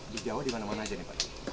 di jawa dimana mana aja nih pak